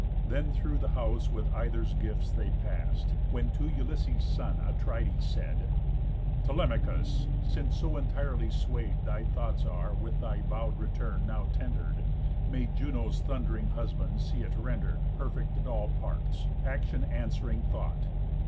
Then through the house with either's gift they past; When to Ulysses' son Atrides said: "Telemachus, since so entirely sway'd Thy thoughts are with thy vow'd return now tender'd, May Juno's thund'ring husband see it render'd Perfect at all parts, action answ'ring thought.